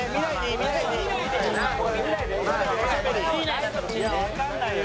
いやわかんないよ。